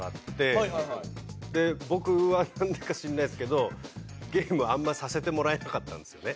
で僕はなんでか知らないですけどゲームあんまさせてもらえなかったんですよね。